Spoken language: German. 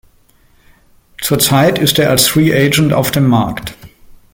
Zurzeit ist er als Free Agent auf dem Markt.